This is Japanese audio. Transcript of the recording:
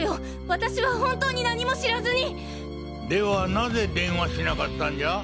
私は本当に何も知らずに！ではなぜ電話しなかったんじゃ？